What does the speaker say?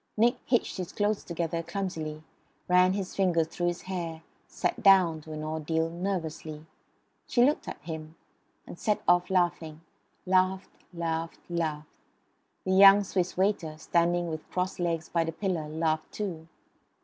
Nick hitched his clothes together clumsily; ran his fingers through his hair; sat down, to an ordeal, nervously. She looked at him; and set off laughing; laughed laughed laughed. The young Swiss waiter, standing with crossed legs by the pillar, laughed too.